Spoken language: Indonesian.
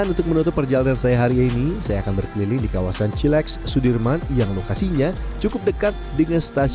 dan untuk menutup perjalanan saya hari ini saya akan berkeliling di kawasan cileks sudirman yang lokasinya cukup dekat dengan setiap tempat